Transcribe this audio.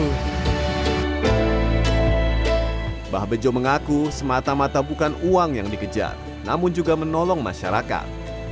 mbah bejo mengaku semata mata bukan uang yang dikejar namun juga menolong masyarakat